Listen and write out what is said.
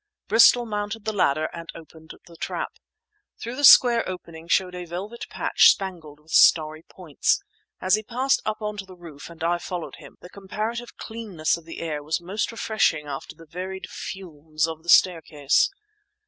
Bristol mounted the ladder and opened the trap. Through the square opening showed a velvet patch spangled with starry points. As he passed up on to the roof and I followed him, the comparative cleanness of the air was most refreshing after the varied fumes of the staircase.